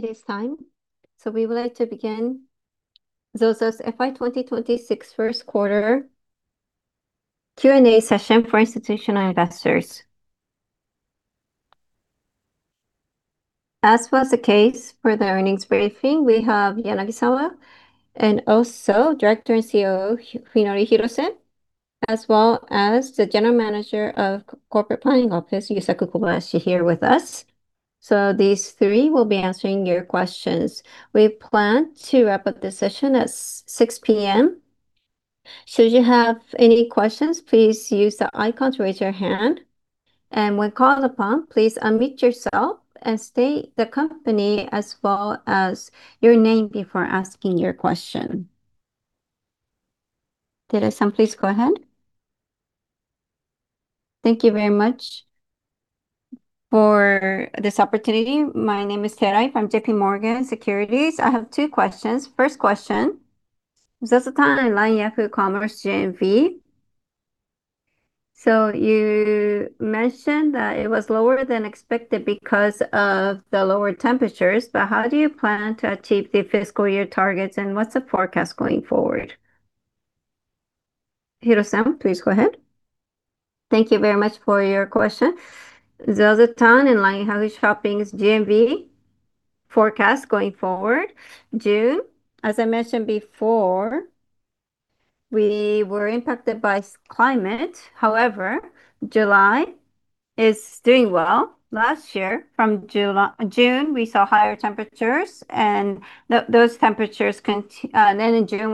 It is time, we would like to begin ZOZO's FY 2026 first quarter Q&A session for institutional investors. As was the case for the earnings briefing, we have Yanagisawa and also Director and COO, Fuminori Hirose, as well as the General Manager of Corporate Planning Office, Yusaku Kobayashi is here with us. These three will be answering your questions. We plan to wrap up the session at 6:00 P.M. Should you have any questions, please use the icon to raise your hand. When called upon, please unmute yourself and state the company as well as your name before asking your question. Terai-san, please go ahead. Thank you very much for this opportunity. My name is Terai from JPMorgan Securities. I have two questions. First question, ZOZOTOWN and LINE Yahoo! Shopping GMV. You mentioned that it was lower than expected because of the lower temperatures, how do you plan to achieve the fiscal year targets and what's the forecast going forward? Hirose-san, please go ahead. Thank you very much for your question. ZOZOTOWN and LINE Yahoo! Shopping's GMV forecast going forward. June, as I mentioned before, we were impacted by climate. However, July is doing well. Last year from June, we saw higher temperatures and then in July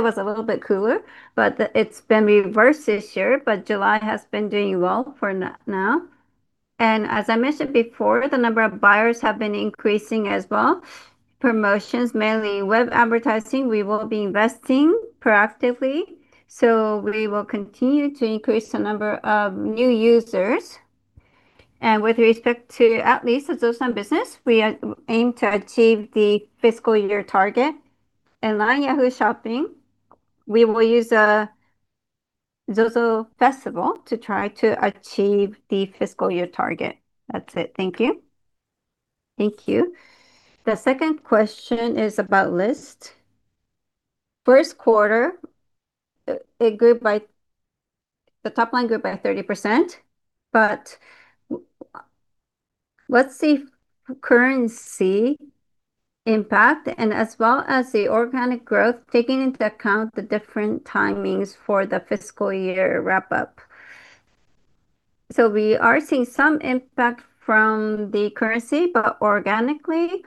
was a little bit cooler, but it's been reversed this year. July has been doing well for now. As I mentioned before, the number of buyers have been increasing as well. Promotions, mainly web advertising, we will be investing proactively. We will continue to increase the number of new users. With respect to at least the ZOZOTOWN business, we aim to achieve the fiscal year target. In LINE Yahoo! Shopping, we will use a ZOZO Festival to try to achieve the fiscal year target. That's it. Thank you. Thank you. The second question is about LYST. First quarter, the top line grew by 30%, what's the currency impact as well as the organic growth, taking into account the different timings for the fiscal year wrap-up? We are seeing some impact from the currency, organically,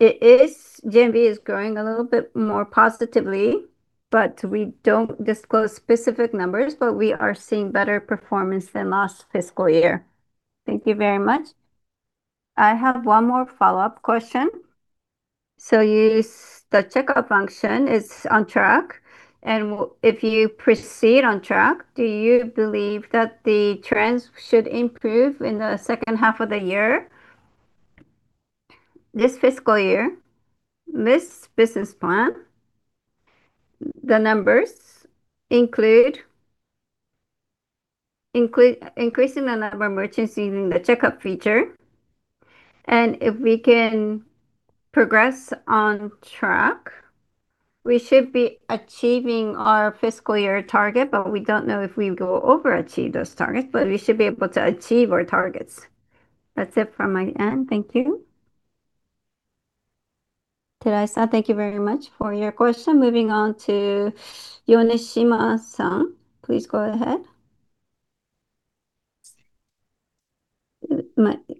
GMV is growing a little bit more positively, we don't disclose specific numbers. We are seeing better performance than last fiscal year. Thank you very much. I have one more follow-up question. The checkout function is on track, if you proceed on track, do you believe that the trends should improve in the second half of the year? This fiscal year, LYST business plan, the numbers include increasing the number of merchants using the checkout feature. If we can progress on track, we should be achieving our fiscal year target, we don't know if we will overachieve those targets, we should be able to achieve our targets. That's it from my end. Thank you. Terai-san, thank you very much for your question. Moving on to Yoneshima-san. Please go ahead. Thank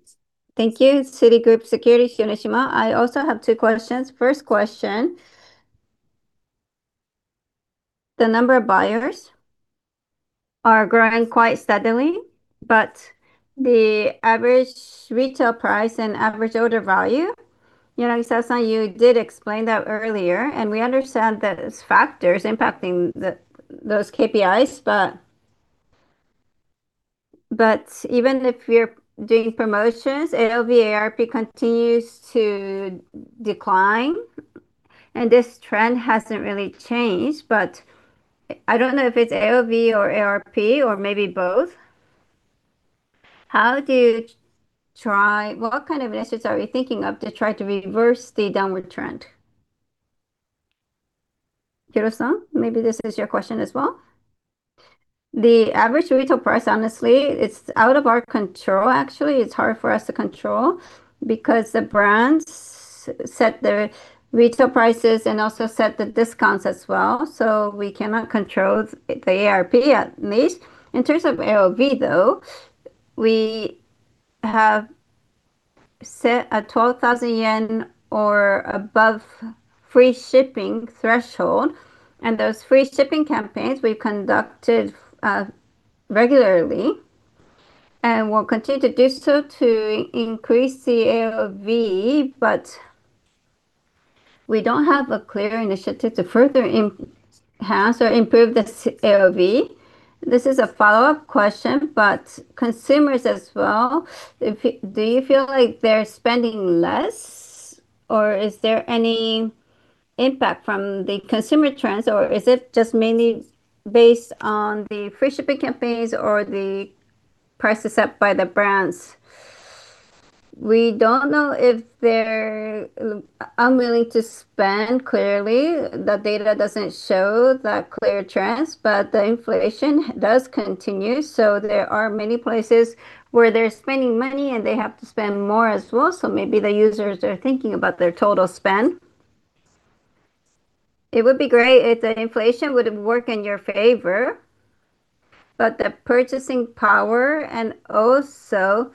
you. Citigroup Securities, Yoneshima. I also have two questions. First question. The number of buyers are growing quite steadily, the average retail price and average order value, Yanagisawa-san, you did explain that earlier, we understand there's factors impacting those KPIs, even if you're doing promotions, AOV, ARP continues to decline, this trend hasn't really changed. I don't know if it's AOV or ARP or maybe both. What kind of initiatives are you thinking of to try to reverse the downward trend? Hirose-san, maybe this is your question as well. The average retail price, honestly, it's out of our control actually. It's hard for us to control because the brands set their retail prices and also set the discounts as well. We cannot control the ARP, at least. In terms of AOV though, we have set a 12,000 yen or above free shipping threshold, and those free shipping campaigns we've conducted regularly and will continue to do so to increase the AOV. We don't have a clear initiative to further enhance or improve the AOV. This is a follow-up question. Consumers as well, do you feel like they're spending less or is there any impact from the consumer trends or is it just mainly based on the free shipping campaigns or the prices set by the brands? We don't know if they're unwilling to spend, clearly. The data doesn't show that clear trend. The inflation does continue. There are many places where they're spending money and they have to spend more as well. Maybe the users are thinking about their total spend. It would be great if the inflation would work in your favor. The purchasing power, and also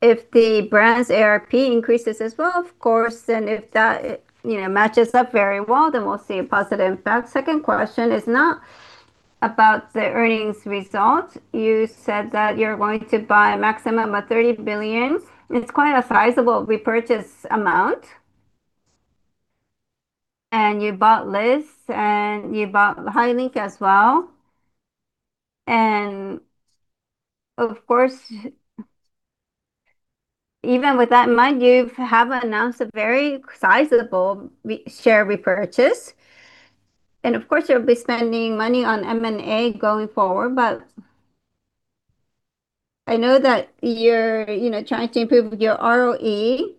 if the brand's ARP increases as well, of course, if that matches up very well, we'll see a positive effect. Second question is not about the earnings result. You said that you're going to buy a maximum of 30 billion. It's quite a sizable repurchase amount. You bought LYST and you bought HIGH LINK as well. Even with that in mind, you have announced a very sizable share repurchase. You'll be spending money on M&A going forward. I know that you're trying to improve your ROE.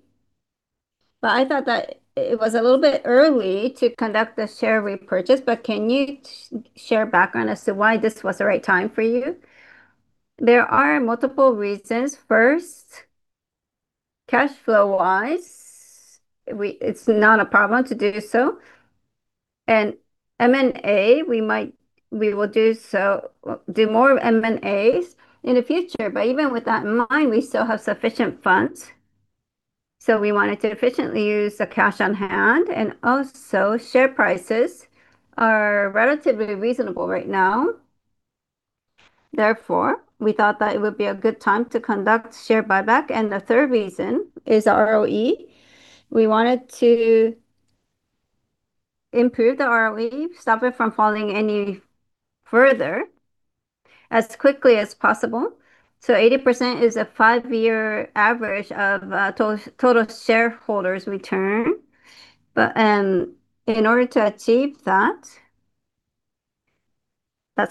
I thought that it was a little bit early to conduct the share repurchase. Can you share background as to why this was the right time for you? There are multiple reasons. First, cash flow-wise, it's not a problem to do so. M&A, we will do more M&As in the future. Even with that in mind, we still have sufficient funds. We wanted to efficiently use the cash on hand. Share prices are relatively reasonable right now. Therefore, we thought that it would be a good time to conduct share buyback. The third reason is ROE. We wanted to improve the ROE, stop it from falling any further as quickly as possible. 80% is a five-year average of total shareholders' return. In order to achieve that's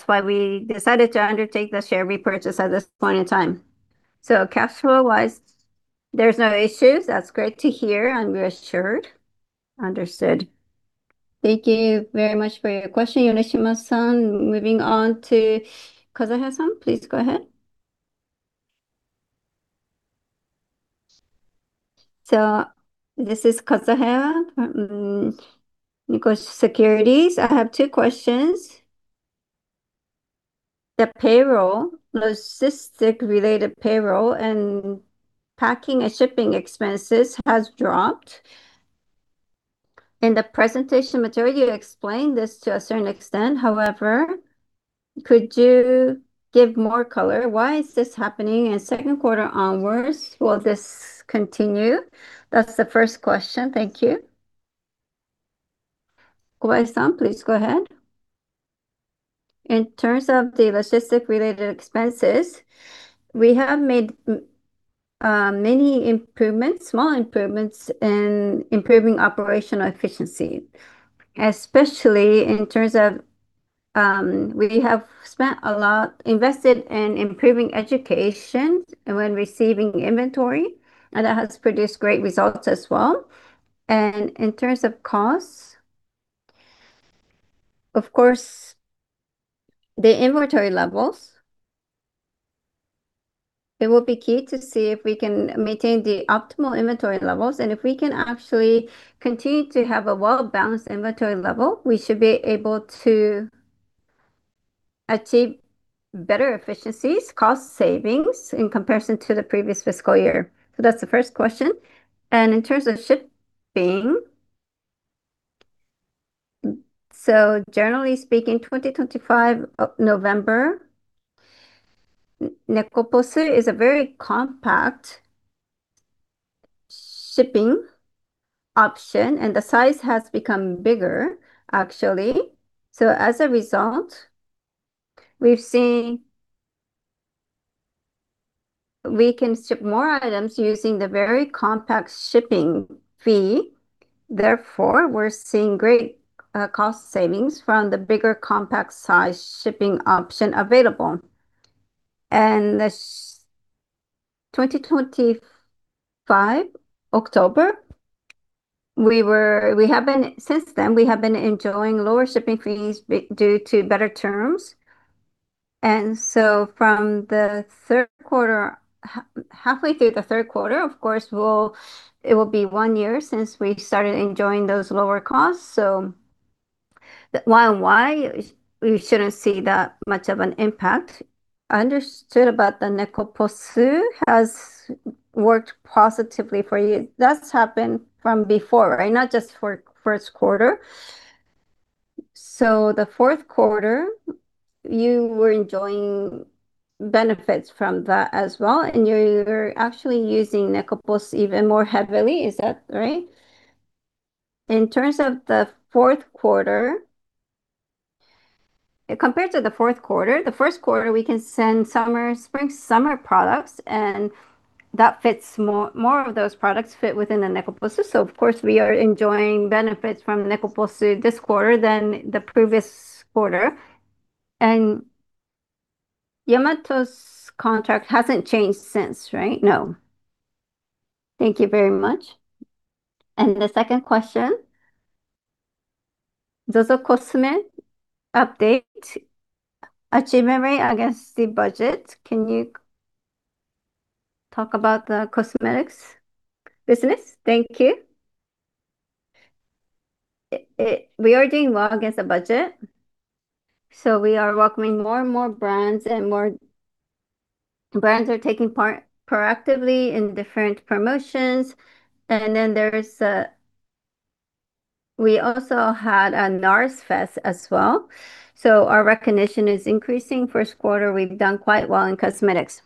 why we decided to undertake the share repurchase at this point in time. Cash flow-wise, there's no issues. That's great to hear, and we're assured. Understood. Thank you very much for your question, Yoneshima-san. Moving on to Kazahaya-san, please go ahead. This is Kazahaya from UBS Securities. I have two questions. The payroll, logistic-related payroll, and packing and shipping expenses has dropped. In the presentation material, you explained this to a certain extent, however, could you give more color? Why is this happening in second quarter onwards? Will this continue? That's the first question. Thank you.K Kobayashi-san, please go ahead. In terms of the logistic-related expenses, we have made many improvements, small improvements, in improving operational efficiency, especially in terms of we have spent a lot invested in improving education when receiving inventory, and that has produced great results as well. In terms of costs, of course, the inventory levels, it will be key to see if we can maintain the optimal inventory levels. If we can actually continue to have a well-balanced inventory level, we should be able to achieve better efficiencies, cost savings in comparison to the previous fiscal year. That's the first question. In terms of shipping, generally speaking, 2025, November, Nekoposu is a very compact shipping option, and the size has become bigger, actually. As a result, we've seen we can ship more items using the very compact shipping fee, therefore, we're seeing great cost savings from the bigger compact size shipping option available. 2025, October, since then, we have been enjoying lower shipping fees due to better terms. From the third quarter, halfway through the third quarter, of course, it will be one year since we started enjoying those lower costs. YoY, we shouldn't see that much of an impact. Understood about the Nekoposu has worked positively for you. That's happened from before, right? Not just for first quarter. The fourth quarter, you were enjoying benefits from that as well, and you're actually using Nekoposu even more heavily. Is that right? In terms of the fourth quarter, compared to the fourth quarter, the first quarter, we can send spring-summer products. That fits more of those products fit within the Nekoposu. Of course, we are enjoying benefits from Nekoposu this quarter than the previous quarter. Yamato's contract hasn't changed since, right? No. Thank you very much. The second question, ZOZOCOSME update achievement rate against the budget. Can you talk about the cosmetics business? Thank you. We are doing well against the budget. We are welcoming more and more brands, and more brands are taking part proactively in different promotions. We also had a NARS Fest as well. Our recognition is increasing. First quarter, we've done quite well in cosmetics.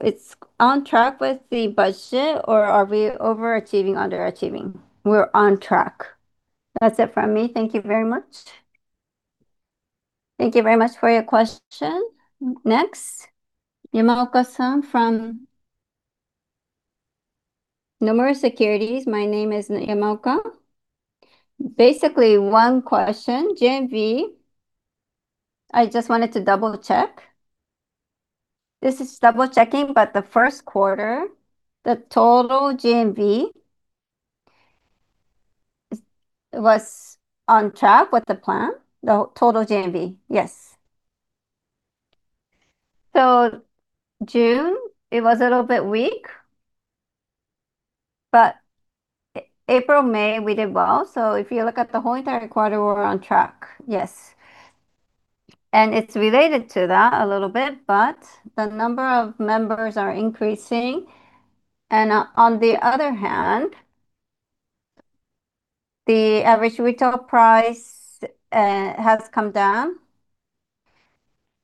It's on track with the budget, or are we over-achieving, under-achieving? We're on track. That's it from me. Thank you very much. Thank you very much for your question. Next. Yamaoka-san from Nomura Securities. My name is Yamaoka. Basically, one question. GMV, I just wanted to double-check. This is double-checking, the first quarter, the total GMV was on track with the plan? The total GMV. Yes. June, it was a little bit weak, April, May, we did well. If you look at the whole entire quarter, we're on track. Yes. It's related to that a little bit, the number of members are increasing. On the other hand, the average retail price has come down.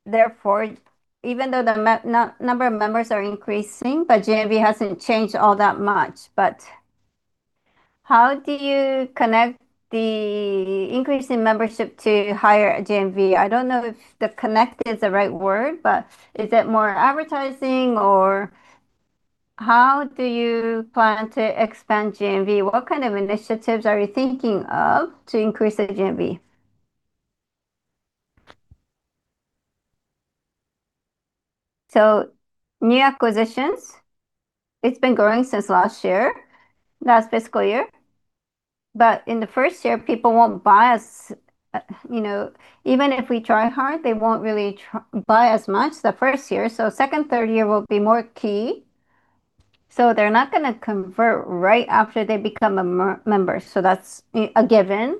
Therefore, even though the number of members are increasing, GMV hasn't changed all that much. How do you connect the increase in membership to higher GMV? I don't know if connect is the right word, is it more advertising, or how do you plan to expand GMV? What kind of initiatives are you thinking of to increase the GMV? New acquisitions, it has been growing since last year, last fiscal year. In the first year, even if we try hard, they will not really buy as much the first year. Second, third year will be more key. They are not going to convert right after they become a member. That is a given.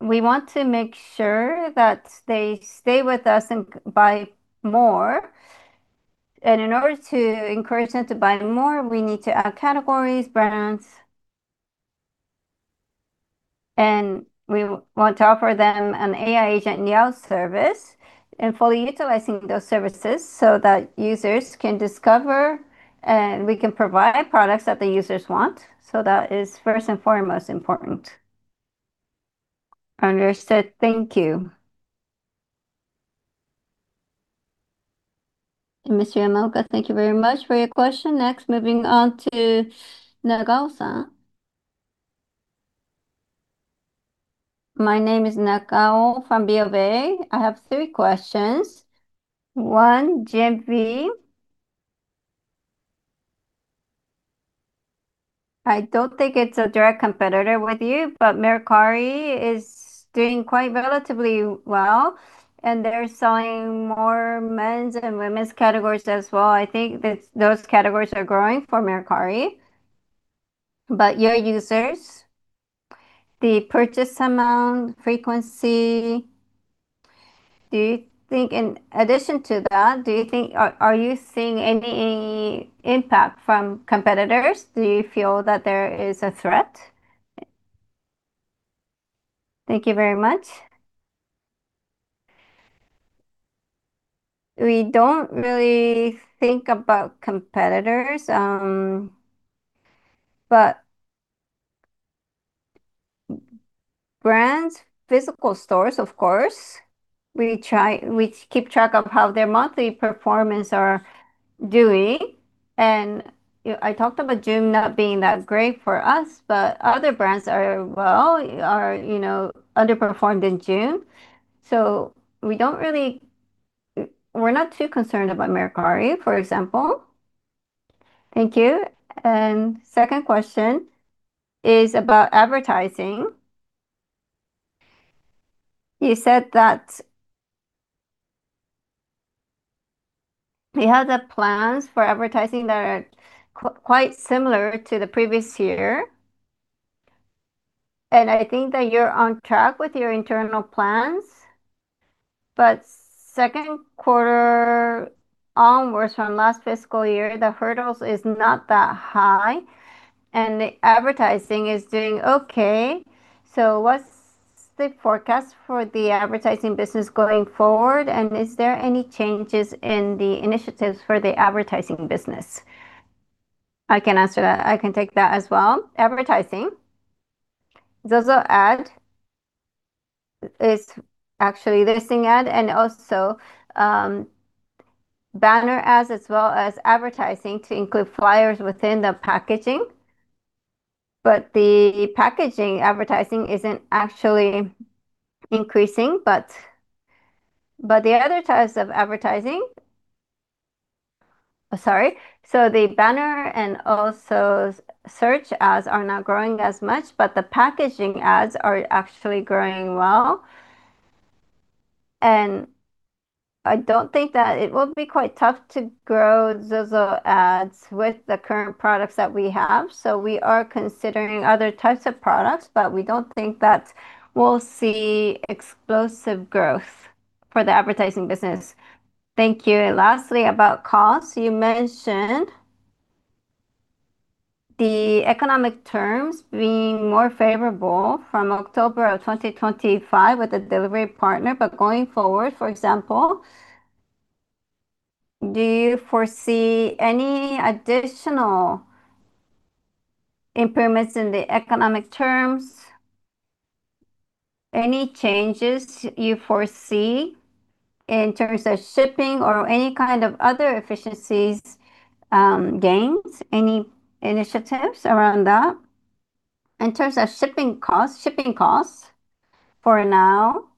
We want to make sure that they stay with us and buy more. In order to encourage them to buy more, we need to add categories, brands. We want to offer them an AI agent niaulab service and fully utilizing those services so that users can discover and we can provide products that the users want. That is first and foremost important. Understood. Thank you. Mr. Hisahiro, thank you very much for your question. Next, moving on to Nagao-san. My name is Nagao from BofA. I have three questions. One, GMV. I do not think it is a direct competitor with you, but Mercari is doing quite relatively well, and they are selling more men's and women's categories as well. I think that those categories are growing for Mercari. Your users, the purchase amount, frequency, do you think in addition to that, are you seeing any impact from competitors? Do you feel that there is a threat? Thank you very much. We do not really think about competitors. Brands, physical stores, of course, we keep track of how their monthly performance are doing. I talked about June not being that great for us, but other brands underperformed in June. We are not too concerned about Mercari, for example. Thank you. Second question is about advertising. You said that we have the plans for advertising that are quite similar to the previous year. I think that you are on track with your internal plans. Second quarter onwards from last fiscal year, the hurdles is not that high, and the advertising is doing okay. What is the forecast for the advertising business going forward? Is there any changes in the initiatives for the advertising business? I can answer that. I can take that as well. Advertising. ZOZO Ad is actually listing ad and also banner ads as well as advertising to include flyers within the packaging. The packaging advertising is not actually increasing. The other types of advertising. Sorry. The banner and also search ads are not growing as much, but the packaging ads are actually growing well. I do not think that it will be quite tough to grow those ads with the current products that we have. We are considering other types of products, but we do not think that we will see explosive growth for the advertising business. Thank you. Lastly, about costs, you mentioned the economic terms being more favorable from October of 2025 with the delivery partner. Going forward, for example, do you foresee any additional improvements in the economic terms? Any changes you foresee in terms of shipping or any kind of other efficiencies gains? Any initiatives around that? In terms of shipping costs, for now,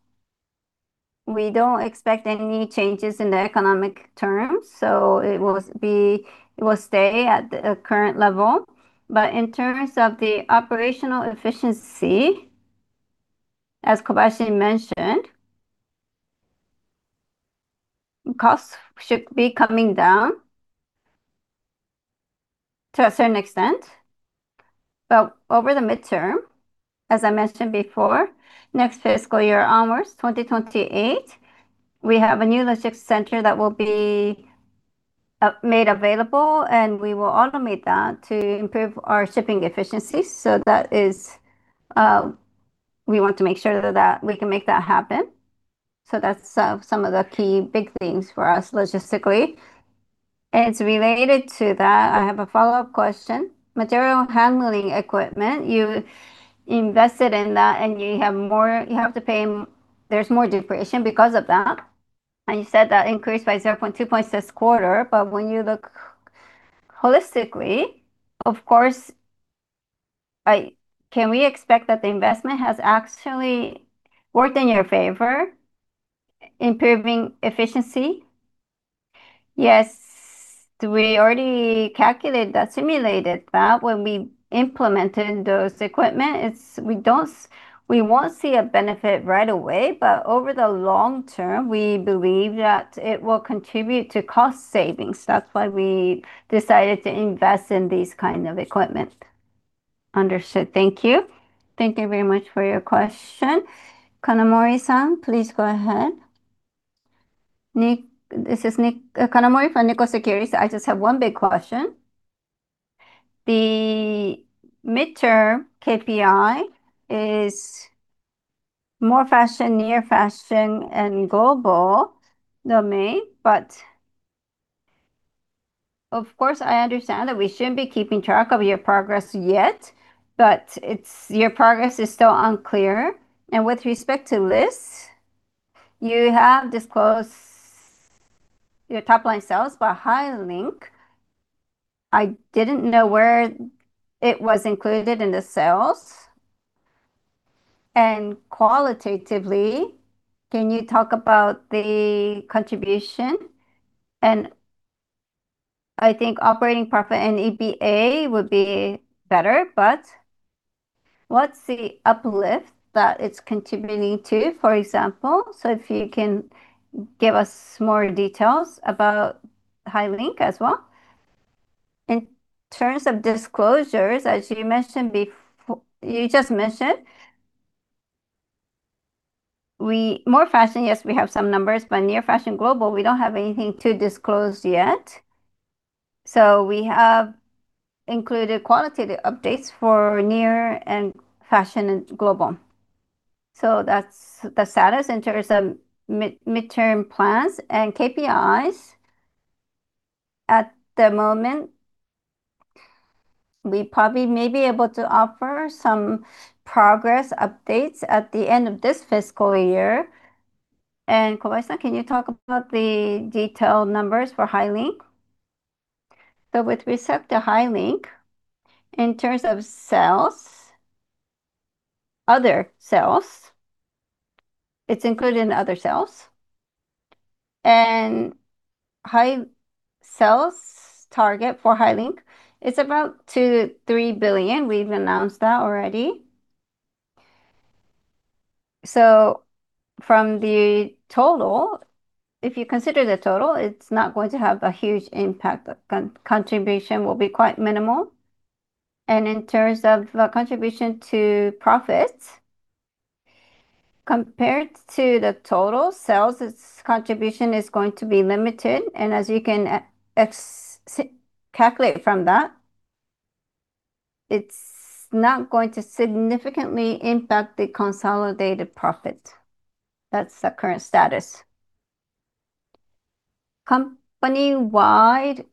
we do not expect any changes in the economic terms. It will stay at the current level. In terms of the operational efficiency, as Kobayashi mentioned, costs should be coming down to a certain extent. Over the midterm, as I mentioned before, next fiscal year onwards, 2028, we have a new logistics center that will be made available, and we will automate that to improve our shipping efficiency. We want to make sure that we can make that happen. That's some of the key big things for us logistically. Related to that, I have a follow-up question. Material handling equipment, you invested in that and there's more depreciation because of that. You said that increased by 0.2 points this quarter, but when you look holistically, of course, can we expect that the investment has actually worked in your favor, improving efficiency? Yes. We already calculated that, simulated that when we implemented those equipment. We won't see a benefit right away, but over the long term, we believe that it will contribute to cost savings. That's why we decided to invest in these kind of equipment. Understood. Thank you. Thank you very much for your question. Kanamori-san, please go ahead. This is Kanamori from Nikko Securities. I just have one big question. The midterm KPI is more fashion, near fashion, and global domain, but of course, I understand that we shouldn't be keeping track of your progress yet, but your progress is still unclear, and with respect to this, you have disclosed your top line sales by HIGH LINK. I didn't know where it was included in the sales. Qualitatively, can you talk about the contribution? I think operating profit and EBITDA would be better, but what's the uplift that it's contributing to, for example? If you can give us more details about HIGH LINK as well. In terms of disclosures, as you just mentioned, more fashion, yes, we have some numbers, but near fashion global, we don't have anything to disclose yet. We have included qualitative updates for near and fashion and global. That's the status in terms of midterm plans and KPIs. At the moment, we probably may be able to offer some progress updates at the end of this fiscal year. Kobayashi, can you talk about the detailed numbers for HIGH LINK? With respect to HIGH LINK, in terms of other sales, it's included in other sales. Sales target for HIGH LINK is about 2 billion-3 billion. We've announced that already. From the total, if you consider the total, it's not going to have a huge impact. The contribution will be quite minimal. In terms of the contribution to profits, compared to the total sales, its contribution is going to be limited. As you can calculate from that, it's not going to significantly impact the consolidated profit. That's the current status. Company-wide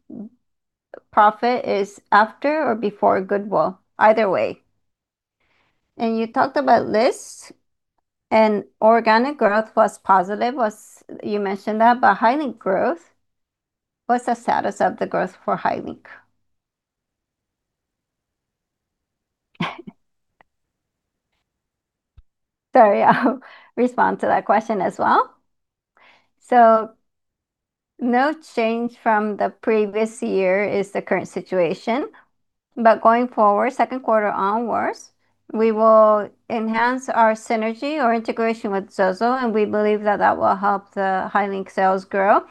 profit is after or before goodwill? Either way. You talked about this, organic growth was positive. You mentioned that, but HIGH LINK growth, what's the status of the growth for HIGH LINK? Sorry, I'll respond to that question as well. No change from the previous year is the current situation. Going forward, second quarter onwards, we will enhance our synergy or integration with ZOZO, and we believe that that will help the HIGH LINK sales grow.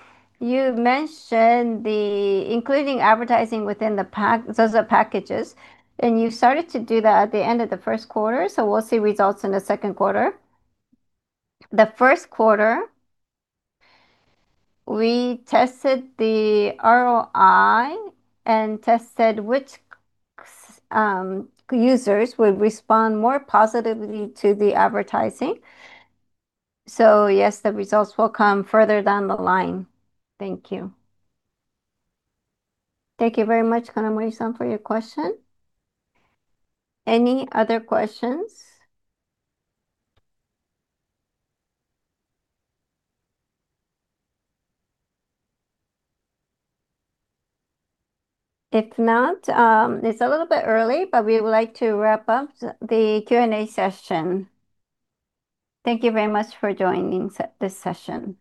You mentioned including advertising within the ZOZO packages, and you started to do that at the end of the first quarter, we'll see results in the second quarter. The first quarter, we tested the ROI and tested which users would respond more positively to the advertising. Yes, the results will come further down the line. Thank you. Thank you very much, Kanamori-san, for your question. Any other questions? If not, it is a little bit early, but we would like to wrap up the Q&A session. Thank you very much for joining this session.